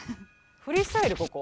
フリースタイルここ？